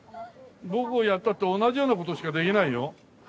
僕がやったって同じような事しかできないよ？